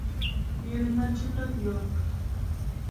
Nyiri matindogi ok ny